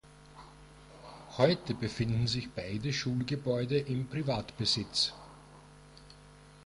Heute befinden sich beide Schulgebäude im Privatbesitz.